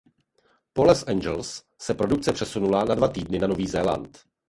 Po Los Angeles se produkce přesunula na dva týdny na Nový Zéland.